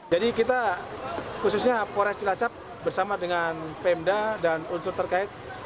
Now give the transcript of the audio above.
jadi kita khususnya pak pores cilacap bersama dengan pemda dan unsur terkait